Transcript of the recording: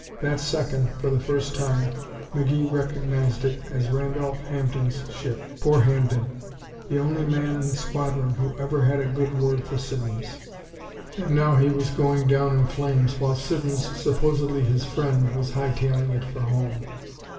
That second, for the first time, McGee recognized it as Randolph Hampden's ship. Poor Hampden! The only man in the squadron who ever had a good word for Siddons, and now he was going down in flames while Siddons, supposedly his friend, was high tailing it for home.